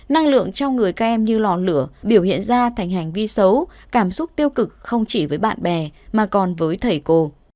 năng lượng trong người các em như lò lửa biểu hiện ra thành hành vi xấu cảm xúc tiêu cực không chỉ với bạn bè mà còn với thầy cô